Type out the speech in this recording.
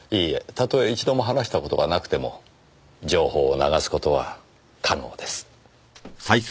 たとえ一度も話した事がなくても情報を流す事は可能です。